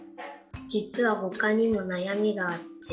じつはほかにもなやみがあって。